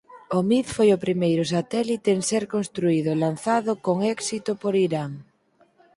Omid foi o primeiro satélite en ser construído e lanzado con éxito por Irán.